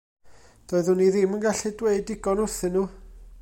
Doeddwn i ddim yn gallu dweud digon wrthyn nhw.